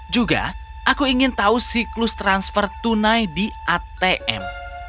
juga aku ingin tahu siklus transfer tunai di atm